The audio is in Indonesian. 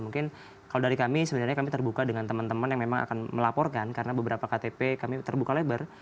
mungkin kalau dari kami sebenarnya kami terbuka dengan teman teman yang memang akan melaporkan karena beberapa ktp kami terbuka lebar